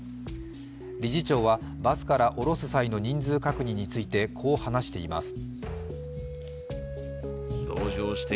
理事長は、バスから降ろす際の人数確認について、こう話しています。